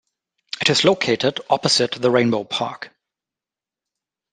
It is located opposite the Rainbow Park.